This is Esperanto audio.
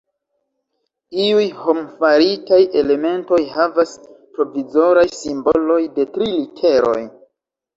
Iuj hom-faritaj elementoj havas provizoraj simboloj de tri literoj.